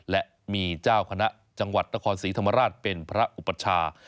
และมีเจ้าคณะจังหวัดนครศรีธรรมราชเป็นพระอุปชา